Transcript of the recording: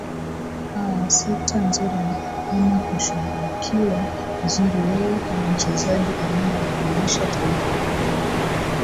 aa sekta nzuri ama kushughulikiwa vizuri yeye kama mchezaji anayewakilisha taifa